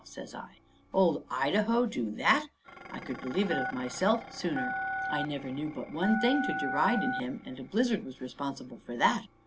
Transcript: says I. "Old Idaho do that! I could believe it of myself, sooner. I never knew but one thing to deride in him; and a blizzard was responsible for that.